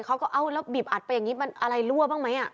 เขาก็เอาแล้วบีบอัดไปอย่างนี้มันอะไรรั่วบ้างไหม